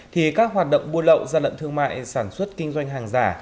thì các hoạt động buôn lậu gian lận thương mại sản xuất kinh doanh hàng giả